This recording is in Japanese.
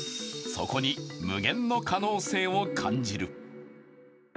そこに無限の可能性を感じる。